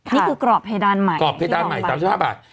นี่คือกรอบแพดานใหม่๓๐๐๐บาท